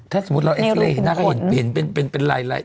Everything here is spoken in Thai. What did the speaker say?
ถ้าสมมติเราเอ็ดเล่นหน้าก็เห็นเป็นไร